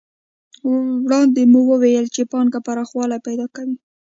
وړاندې مو وویل چې پانګه پراخوالی پیدا کوي